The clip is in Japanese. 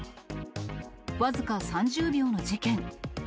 僅か３０秒の事件。